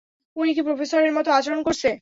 উনি কি প্রফেসরের মতো আচরণ করছে?